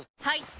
はい！